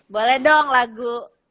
boleh dong lagu